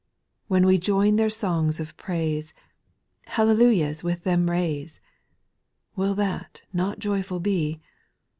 When we join their songs of praise, Hallelujahs with them raise. Will that not joyful be